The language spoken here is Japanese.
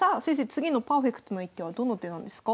次のパーフェクトな一手はどの手なんですか？